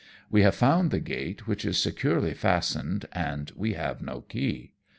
We have found the gate, which is securely fastened, and we have no key.